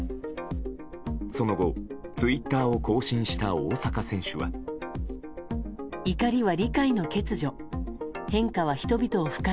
その後、ツイッターを更新した大坂選手は。